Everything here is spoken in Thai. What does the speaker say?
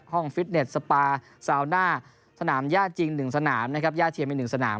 ห้องฟิตเน็ตสปาซาวน่าสนามย่าจริง๑สนามย่าเทียมเป็น๑สนาม